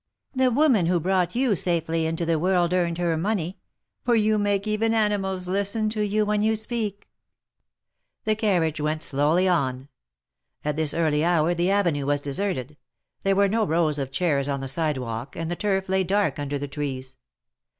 ^^The woman who brought you safely into the world THE MARKETS OF PARIS. 213 earned her money ; for you make even animals listen to you when you speak ! The carriage went slowly on. At this early hour the avenue was deserted. There were no rows of chairs on the sidewalk, and the turf lay dark under the trees.